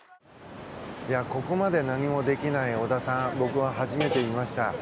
ここまで何もできない小田さんを僕は初めて見ました。